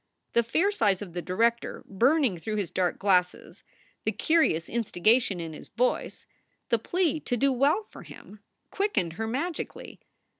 The fierce eyes of the director burning through his dark glasses, the curious instigation in his voice, the plea to do well for him, quickened her magically.